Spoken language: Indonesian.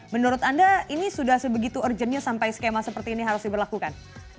menurut anda ini sudah sebegitu urgentnya sampai skema seperti ini harus diberlakukan